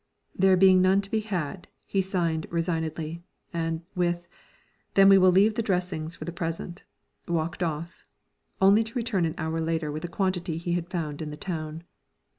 There being none to be had, he sighed resignedly, and with "Then we will leave the dressings for the present," walked off, only to return an hour later with a quantity he had found in the town.